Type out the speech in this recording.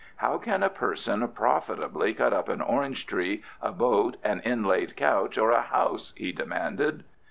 "How can a person profitably cut up an orange tree, a boat, an inlaid couch, or a house?" he demanded.